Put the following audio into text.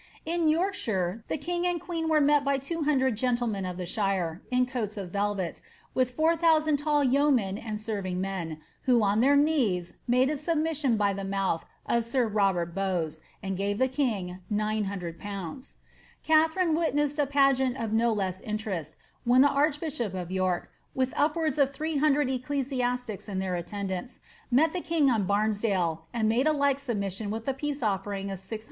In Yorkshire the king and queen were met by two hundred gentlemen of the shire, in coats of velvet, with four thousand tall yeomen am^servingHnen, who on their knees made a submission by the mouth of sir Robert Bowes, and gave the king 900/. Katharine witnessed a pageant of no less interest, when the archbishop of York, with upwards of three hundred ecclesiastics and their attendants, met the king on Bar nesdale, and made a like submission with the peace oflfering of 6002.